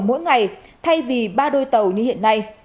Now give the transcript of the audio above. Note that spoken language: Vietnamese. mỗi ngày thay vì ba đôi tàu như hiện nay